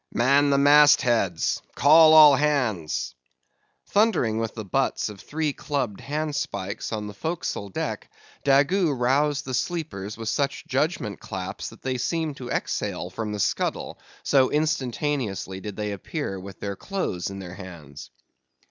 "Man the mast heads! Call all hands!" Thundering with the butts of three clubbed handspikes on the forecastle deck, Daggoo roused the sleepers with such judgment claps that they seemed to exhale from the scuttle, so instantaneously did they appear with their clothes in their hands.